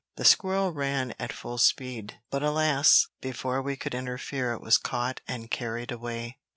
The squirrel ran at full speed, but alas! before we could interfere it was caught and carried away.